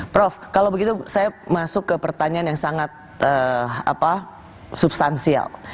prof kalau begitu saya masuk ke pertanyaan yang sangat substansial